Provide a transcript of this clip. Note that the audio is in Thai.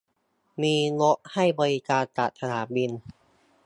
มีรถให้บริการจากสนามบิน